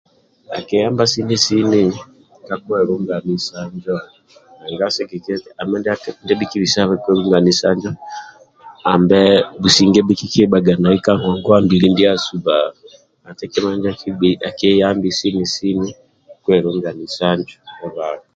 Akiyamba sini sini ka kwelungasina injo nanga sigikilia eti ambe ndie bhikibisabe kwelunganisa injo ambe businge bhikikibhaga naibka ngongwa mbili ndiasu baa kwelunganisa injo akiyambi sini sini